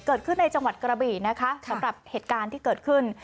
เกิดขึ้นในจังหวัดกระบี่นะคะสำหรับเหตุการณ์ที่เกิดขึ้น